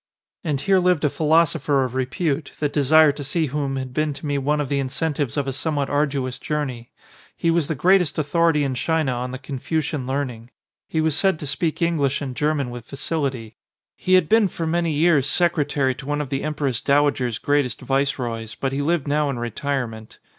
And here lived a philosopher of repute trs desire to see whom had been to me one of the incentives of a somewhat arduous journey. He was the greatest authority in China on the Confucian learning. He was said to speak Eng lish and German with facility. He had been for 147 ON A CHINESE SCREEN many years secretary to one of the Empress Dow ager's greatest viceroys, but he lived now in re tirement.